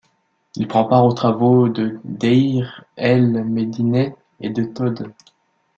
Il prend part aux travaux de Deir el-Médineh et de Tôd.